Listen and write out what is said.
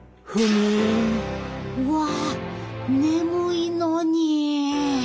うわ眠いのに。